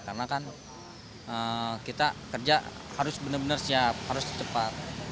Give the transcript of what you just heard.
karena kan kita kerja harus benar benar siap harus cepat